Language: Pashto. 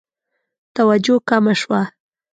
توجه کمه شوه.